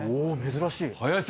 珍しい。